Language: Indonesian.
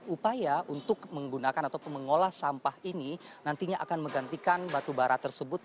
upaya untuk menggunakan ataupun mengolah sampah ini nantinya akan menggantikan batubara tersebut